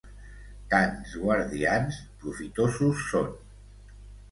Cans guardians, profitosos són.